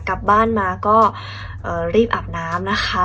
กลับบ้านมาก็รีบอาบน้ำนะคะ